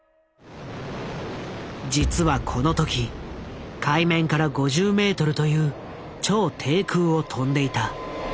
実はこの時海面から５０メートルという超低空を飛んでいた。